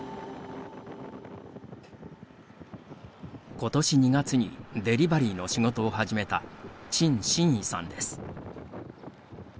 ことし２月にデリバリーの仕事を始めた、陳新いさんです。